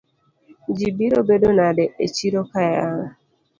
Ji biro bedo nade echiroka yawa?